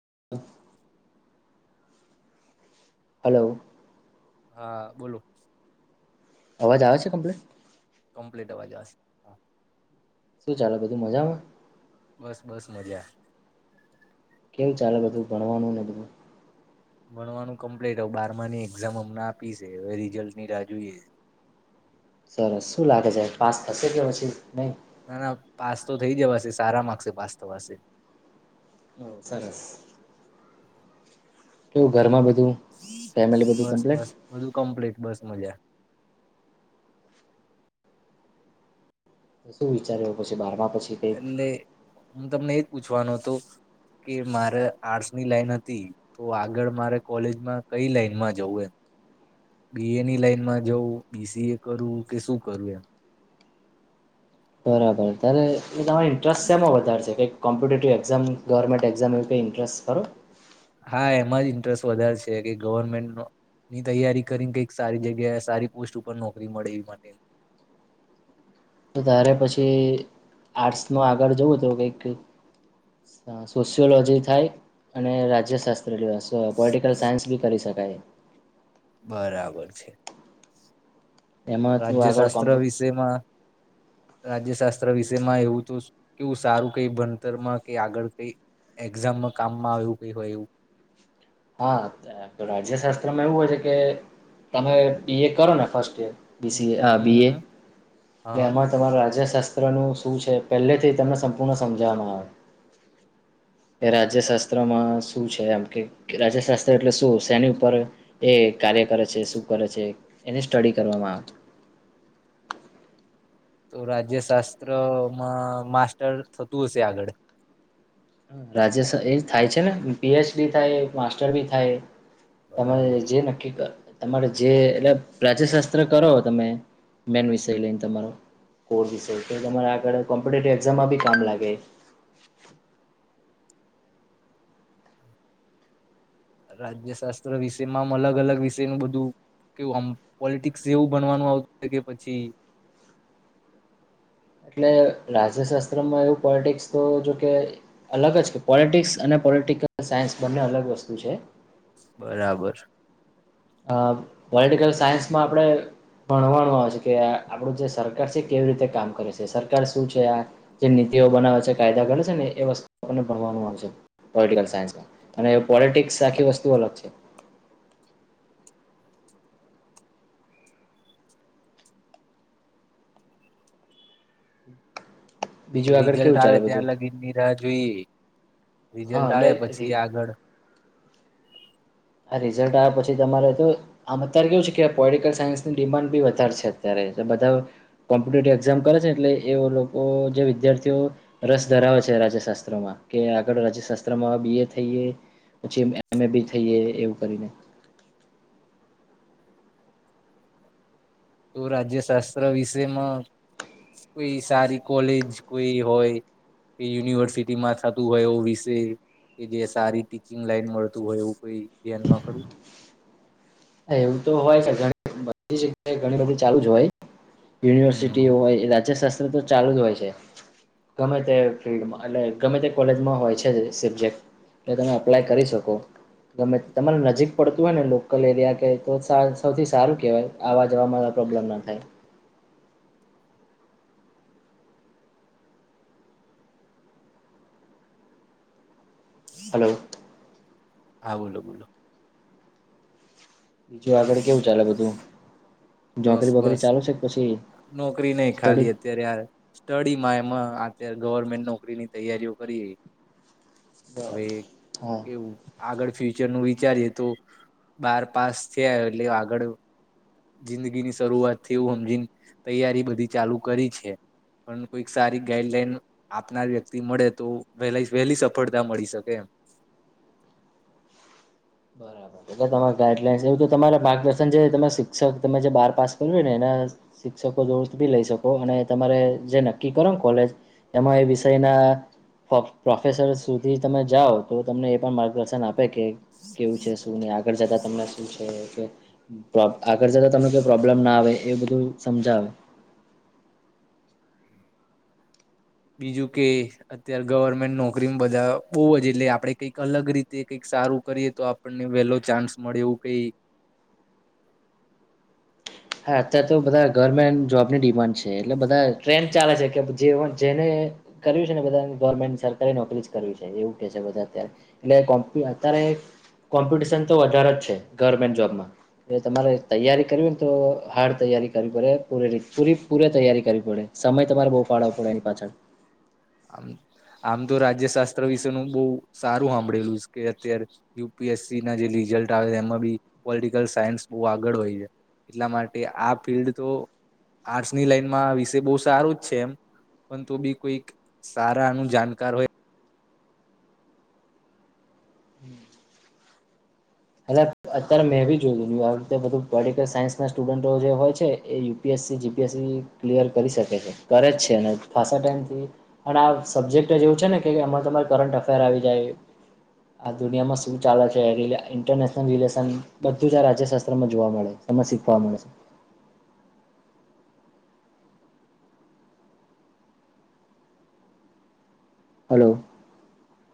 [inaudible] Hello. હા બોલો. અવાજ આવે છે કોમ્પલે? કમ્પ્લીટ અવાજ આવેશે હા. શું ચાલે બધું મજામાં? બસ બસ મજા. કકેવું ચાલે બધું ભણવાનું ને બધું? ભણવાનું કમ્પ્લીટ હું બારમાની એક્ઝામ અમને આપી છે હવે રિઝલ્ટ ની રાહ જોઈએ. સરસ શું લાગે છે પાસ થશે કે પછી નઈ? ના ના પાસ તો થઈ જવાશે સારા માર્ક્સે પાસ થવાશે. હઓ સરસ. કેવું ઘરમાં બ બસ બસ બધું કમ્પ્લીટ, બસ મજા. તો શું વિચાર એવું પછી બારમાં એટલે હું તમને એ પૂછવાનો હતો કે મારે આર્ટસ ની લાઈન હતી તો આગળ મારે કોલેજમાં કઈ લાઈનમાં જવું એમ. બી એ ની લાઈનમાં જવું બી સી એ કરું કે શું કરું એમ. બરાબર તારે ટલે તમારે ઇન્ટરેસ્ટ એમાં વધારે છે કઈ કોમ્પિટેટિવે એક્ઝામ, ગવર્મેન્ટ એક્ઝામ એવું કઈ ઇન્ટરેસ્ટ ખરો? હા એમાં જ ઇન્ટરેસ્ટ વધારે છે કે ગવર્મેન્ટનો ની તૈયારી કરીને કઈક સારી જગ્યા સારી પોસ્ટ ઉપર નોકરી મળે એ માટે. તો તતારે પછી આર્ટસ નો આગળ જવું તો કઈક અહ સોશિયોલોજી થાય અને રાજ્ય શાસ ત્ર લેવાશે, પોટિકલ સાયન્સ બી કરી શકાય. બરાબર છે. એમાં તું રાજ્ય આગળ શાસ્ત્ર કોમ્પ્યુ વિષયમાં રાજ્ય શાસ્ત્ર વિષયમાં એવું તો કેવું સારું કઈ ભણતરમાં કે આગળ કઈ એક્ઝામમાં કામમાં આવું કઈ હોય એવું. હા રાજ્ય શાસ્ત્રમાં એવું હોય છે કે તમે બીએ કરો ને first year hmm BCA uh hmm BA hmm હા હા તેમાં તમાર રરાજ્ય શા સ્ત્ર નું શું છે પહેલેથી તમને સંપૂર્ણ સમજવામાં આવે કે રાજ્ય શાસ્ત્રમાં શું છે એમ કે રાજાશાસ્ત્ર એટલે શું શેની ઉપર એ કાર્ય કરે છે શું કરે છે એને સ્ટડી કરવામાં આવે. તો રાજ્ય શાસ્ત્રમાં માસ્ટર થતું હશે આગળ. રાજ્યસ એ થાય છે ને પીએચડી થાય માસ્ટર બી થાય. તમે બરાબર જે નક્કી કર તમારે જે એટલે રાજ્ય શાસ્ત્ર કરો તમે મેન વિષય લઈને તમારો કો વિષ આગળ કોમ્પિટિવ એકઝામમાં બી કામ લાગે. રાજ્ય શાસ્ત્ર વિષયમાં આમ અલગ અલગ વિષયનું બધું કેવું આમ પોલિટિક્સ જેવું ભણવાનું આવતું કે પછી એટલે રાજ્યશાસ્ત્રમાં એવું પોલિટિક્સ તો જોકે અલગ જ કે પોલિટિક્સ અને પોલિટિકલ સાયન્સ બંને અલગ વસ્તુ છે. બરાબર. અ પોલિટિકલ સાયન્સમાં આપણે ભણવાનું આવે છે કે આપણું જે સરકાર છે કેવી રીતે કામ કરે છે સરકાર શું છે આ જે નીતિઓ બનાવે છે કાયદા કરે છે ને એ વસ્તુ આપને ભણવાનું આવે છે પોલિટિકલ સાયન્સમાં અને પોલિટિક્સ આખી વસ્તુ અલગ છે. બીજું આગળ રિઝલ્ટ કેવું આવે ચાલે બધું ત્યાં લગીન ની રાહ જોઈએ. રિઝલ્ટ હા આવે એટલે પછી આગળ હા રિઝલ્ટ આવ્યા પછી તમારે તો આમ અત્યારે કેવું છે કે પોલટિકલ સાયન્સની ડિમાન્ડ બી વધારે છે અત્યારે બધા કોમ્પિટેટિવ એક્ઝામ કરે છે. એટલે એ લોકો જે વિદ્યાર્થીઓ રસ ધરાવે છે. રાજ્ય શાસ્ત્રોમાં કે આગળ રાજ્ય શાસ્ત્રમાં બી એ થઈએ પછી એમએ બી થઈએ એવું કરીને તો રાજ્ય શાસ્ત્ર વિષમાં કોઈ સારી કોલેજ કોઈ હોય કે યુનિવર્સિટીમાં થતું હોય એ વિશે કે જે સારી ટીચિંગ લાઈન મળતું હોય એવું કોઈ ધ્યાનમાં ખરું? એવું તો હોય કે બધી જગ્યાએ ઘણી બધી ચાલુ જ હોય હમ યુનિવર્સિટીઓ હોય રાજ્ય તો ચાલુ જ હોય છે ગમે તે ફિલ્ડમાં એટલે ગમે તે કોલેજમાં હોય છે જ સબજેક્ટ એ તમે અપ્લાય કરી શકો. ગમે તમારે નજીક પડતું હોય ને લોકલ એરિયા કે તો સા સૌથી સારું કેવાય આવા જવામાં પ્રોબ્લેમ ના થાય. હલો. હા બોલો બોલો. [unintelligible] આગળ કેવું ચાલે બધું? બસ નોકરી બોકરી બસ ચાલુ છે કે પછી નોકરી નહી સ્ટડી ખાલી અત્યારે આ સ્ટડીમાં એમાં અત્યારે ગવર્મેન્ટ નોકરીની તૈયારીઓ કરી હવે હા કેવું આગળ ફ્યુ ચર નું વિચારીએ તો બાર પાસ થીયા એટલે આગળ જિંદગીની શરૂઆતથી એવુ અમ હમજીન તૈયારી બધી ચાલુ કરી છે પણ કોઈક સારી ગાઈડલાઈન આપનાર વ્યક્તિ મળે તો વહેલા વહેલી સફળતા મળી શકે એમ. બરાબર તો તમારે ગાઈડલાઈનસ એવું તમારે માર્ગદર્શન જે રીતે તમાર શિક્ષક તમે જે બાર પાસ કરયુને એના શિક્ષકો દોસ્ત ભી લઈ શકો અને તમારે જે નક્કી કરો ને કોલેજ એમાં એ વિષયના પો પ્રોફેસર સુધી તમે જાઓ તો તમને એ પણ માર્ગદર્શન આપે કે કેવું છે શું નહી આગળ જતા [unintelligible] છે તો આગળ જતા તમને પ્રોબ્લેમ ના આવે એ બધું સમજાવે. બીજું કે અત્યારે ગવર્મેન્ટ નોકરી બધા બો જ એટલે આપણે કંઈક અલગ રીતે કઈક સારું કરીએ તો આપણને વહેલો ચાન્સ મળે એવું કઈ હા, અત્યારે તો બધા ગવર્મેન્ટ જોબ ની ડિમાન્ડ છે. તે એટલે બધા ટ્રેન ચાલે છે કે જે જેને કર્યું છે ને બધાને ગવર્મેન્ટ સરકારી નોકરી કરવી છે એવું કે છે બધા અત્યારે, એટલે કોમ્ અત્યારે કોમ્પિટિશન તો વધારે જ છે ગવર્મેન્ટ જોબમાં, એટલે તમારે તૈયારી કરવી તો હાર્ડ તૈયારી કરવી પડે પૂરે ર પૂરી પૂરે તૈયારી કરવી પડે, સમય તમારે બહુ ફાળવો પડે એની પાછળ આમ તો રાજ્ય શાસ્ત્ર વિશેનું બહ સારું હાભળેલું છે કે અત્યારે યુ પી એસ સી ના જે રિઝલ્ટ આવે એમાં બી પોલિટિકલ સાયન્સ બહુ આગળ હોય છેાય, એટલા માટે આ ફિલ્ડ તો આર્ટસની લાઈનમાં વિશે બહ સારું જ છે એમ, પણ તો બી કોઈક સારા આનું જાણકાર હોય અ અત્યારે મેં બી જોયું આવી રીતે બધું પોલટિકલ સાયન્સ ના સ્ટુડન્ટો જે હોય છે, એ U P S C G P S C clear કરી શકે છે, કરે જ છે ને ખાસા ટાઈમથી અને આ સબ્જેક્ટ એવું છે ને કે એમાં તમારે કરટ અફેર આવી જાય, આ દુનિયામાં શું ચાલે છે ઇરનેશનલ રિલેશન બધુંજ આ રાજ્ય શાસ્ત્રમાં જોવા મળે, એમાં શીખવા મળશે. હલો